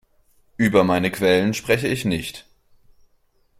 Über meine Quellen spreche ich nicht.